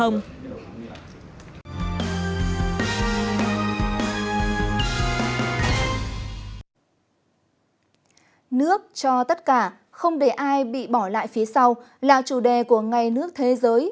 nước cho tất cả không để ai bị bỏ lại phía sau là chủ đề của ngày nước thế giới